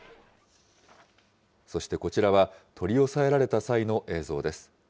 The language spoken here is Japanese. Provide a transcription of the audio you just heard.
そしてこちらは、取り押さえられた際の映像です。